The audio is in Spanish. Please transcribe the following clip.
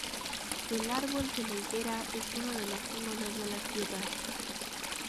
El árbol de la Higuera es uno de los símbolos de la ciudad.